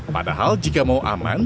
padahal jika mau aman